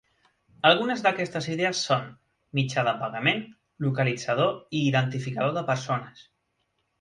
Algunes d'aquestes idees són: mitjà de pagament, localitzador i identificador de persones.